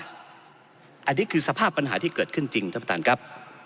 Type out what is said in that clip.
อันนี้คือสภาพปัญหาที่เกิดขึ้นจริงท่านประธานครับ